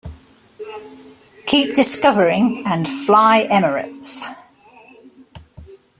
Keep Discovering" and "Fly Emirates.